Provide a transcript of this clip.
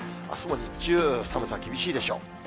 あすの日中、寒さ厳しいでしょう。